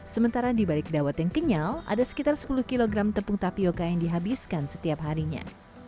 sementara di balik dawet yang kenyal ada sekitar sepuluh kg tepung tapioca yang dihabiskan setiap harinya